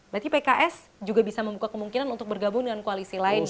berarti pks juga bisa membuka kemungkinan untuk bergabung dengan koalisi lain ya